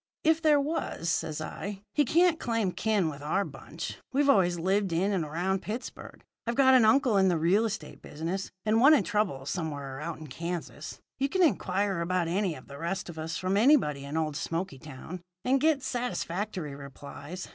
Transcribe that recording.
"'If there was,' says I, 'he can't claim kin with our bunch. We've always lived in and around Pittsburgh. I've got an uncle in the real estate business, and one in trouble somewhere out in Kansas. You can inquire about any of the rest of us from anybody in old Smoky Town, and get satisfactory replies.